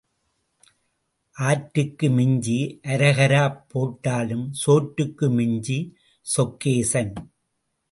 ஆற்றுக்கு மிஞ்சி அரஹராப் போட்டாலும் சோற்றுக்கு மிஞ்சித் சொக்கேசன்.